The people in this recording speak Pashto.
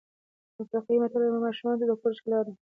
افریقایي متل وایي ماشومان د کور ښکلا ده.